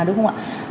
đúng không ạ